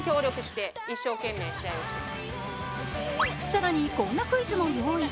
更にこんなクイズも用意。